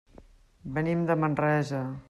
Venim de Manresa.